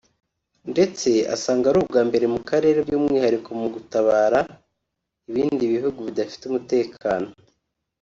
ndetse asanga ari uwa mbere mu Karere by’umwihariko mu gutabara ibindi bihugu bidafite umutekano